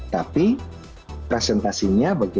tapi presentasinya bagaimana